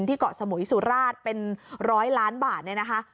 เกาะสมุยสุราชเป็นร้อยล้านบาทเนี่ยนะคะ